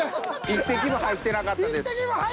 １滴も入ってなかったです。